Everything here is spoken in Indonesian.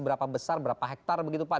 berapa besar berapa hektare begitu pak